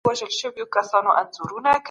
څنګه د خامو موادو کمښت پر صنعت اغېز کوي؟